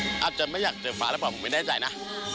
อาจจะไม่อยากเจอฟ้าหรือเปล่าผมไม่แน่ใจนะ